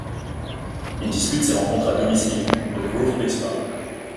Il dispute ses rencontres à domicile au Grove Place Park.